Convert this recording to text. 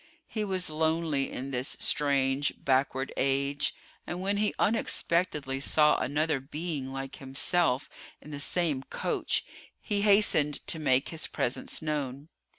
He was lonely in this strange, backward age and when he unexpectedly saw another being like himself in the same coach, he hastened to make his presence known.